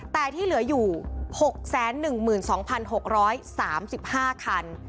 แต่ที่เหลืออยู่๖๑๒๖๓๕คัน